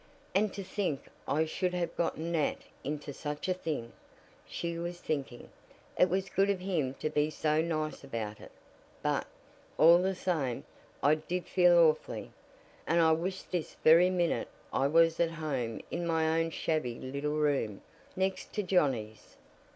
"And to think I should have gotten Nat into such a thing!" she was thinking. "It was good of him to be so nice about it but, all the same, I did feel awfully, and I wish this very minute I was at home in my own shabby little room, next to Johnnie's."